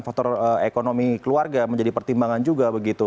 faktor ekonomi keluarga menjadi pertimbangan juga begitu